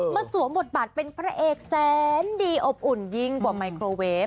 สวมบทบาทเป็นพระเอกแสนดีอบอุ่นยิ่งกว่าไมโครเวฟ